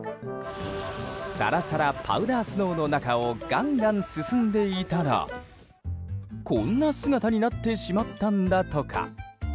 さらさらパウダースノーの中をガンガン進んでいたらこんな姿になってしまったんだとか。